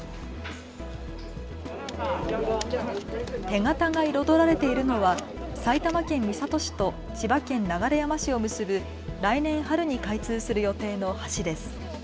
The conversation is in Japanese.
手形が彩られているのは埼玉県三郷市と千葉県流山市を結ぶ来年春に開通する予定の橋です。